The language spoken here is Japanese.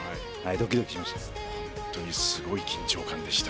ドキドキしました。